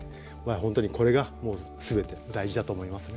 本当にこれがすべて大事だと思いますね。